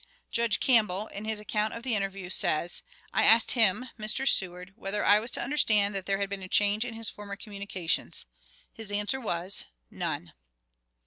Judge Campbell, in his account of the interview, says: "I asked him [Mr. Seward] whether I was to understand that there had been a change in his former communications. His answer was, 'None.'"